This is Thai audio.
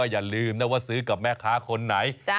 อย่าลืมซื้อกับมางงงงงงงฝื่นแหลคนนี้